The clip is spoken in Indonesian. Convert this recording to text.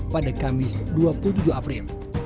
pada kamis dua puluh tujuh april